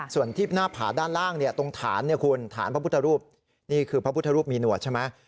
ส่วนที่หน้าผาด้านล่างเนี่ยตรงฐานเนี่ยคุณฐานพระพุทธรูปนี่คือพระพุทธรูปมีหนวดใช่ไหม